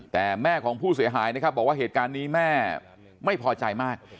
แต่แม่ของผู้เสียหายนะครับบอกว่าเหตุการณ์นี้แม่ไม่พอใจมาก